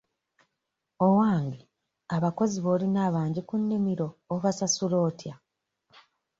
Owange abakozi b'olina abangi ku nnimiro obasasula otya?